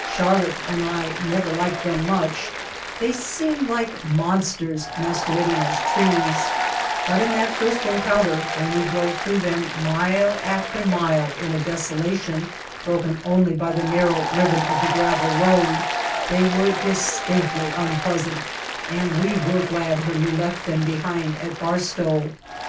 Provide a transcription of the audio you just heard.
Charlotte and I How We Found Mojave never liked them much, they seemed like mon sters masquerading as trees; but in that first encounter, when we drove through them mile after mile in a desolation broken only by the narrow ribbon of the gravel road, they were distinctly unpleasant and we were glad when we left them behind at Barstow.